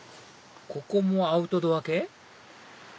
ここもアウトドア系？